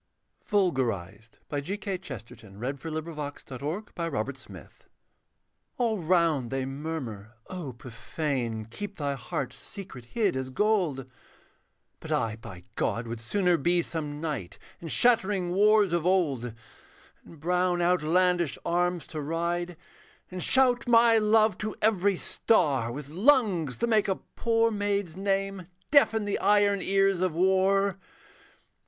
from the swords that sever, Because His mercy endureth for ever. 'VULGARISED' All round they murmur, 'O profane, Keep thy heart's secret hid as gold'; But I, by God, would sooner be Some knight in shattering wars of old, In brown outlandish arms to ride, And shout my love to every star With lungs to make a poor maid's name Deafen the iron ears of war.